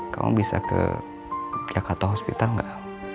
kamu bisa ke jakarta hospital gak